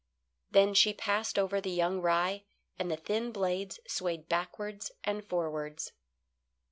Then she passed over the young rye, and the thin blades swayed backwards and forwards.